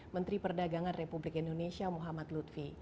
menteri perdagangan republik indonesia muhammad lutfi